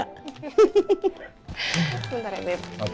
bentar ya babe